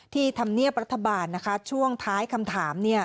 ธรรมเนียบรัฐบาลช่วงท้ายคำถาม